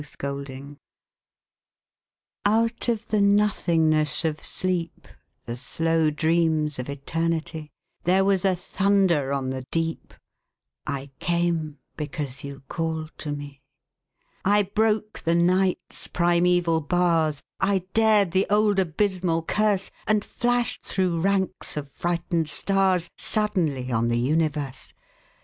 The Call Out of the nothingness of sleep, The slow dreams of Eternity, There was a thunder on the deep: I came, because you called to me. I broke the Night's primeval bars, I dared the old abysmal curse, And flashed through ranks of frightened stars Suddenly on the universe!